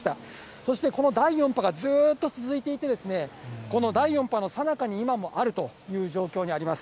そしてこの第４波がずっと続いていてですね、この第４波のさなかに今もあるという状況にあります。